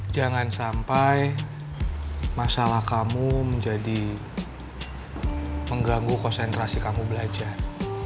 jangan sampai masalah kamu menjadi mengganggu konsentrasi kamu belajar